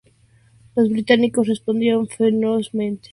Los británicos respondieron ferozmente con balas de cañón.